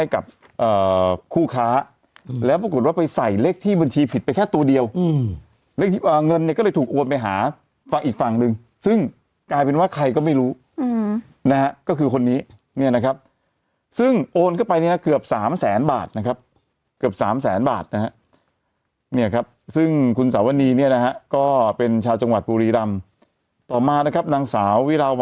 กับคู่ค้าแล้วปรากฏว่าไปใส่เลขที่บัญชีผิดไปแค่ตัวเดียวเลขเงินเนี่ยก็เลยถูกโอนไปหาฝั่งอีกฝั่งหนึ่งซึ่งกลายเป็นว่าใครก็ไม่รู้นะฮะก็คือคนนี้เนี่ยนะครับซึ่งโอนเข้าไปเนี่ยนะเกือบสามแสนบาทนะครับเกือบสามแสนบาทนะฮะเนี่ยครับซึ่งคุณสาวนีเนี่ยนะฮะก็เป็นชาวจังหวัดบุรีรำต่อมานะครับนางสาววิราว